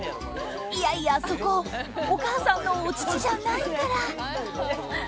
いやいや、そこお母さんのお乳じゃないから。